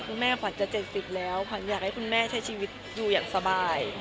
คุณแม่ขวัญจะ๗๐แล้วขวัญอยากให้คุณแม่ใช้ชีวิตอยู่อย่างสบาย